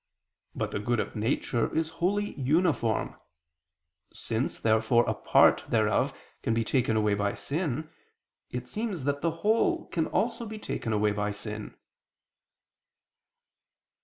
But the good of nature is wholly uniform. Since therefore a part thereof can be taken away by sin, it seems that the whole can also be taken away by sin.